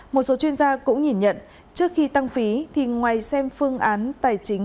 một số chuyên gia cũng nhìn nhận trước khi tăng phí thì ngoài xem phương án tài chính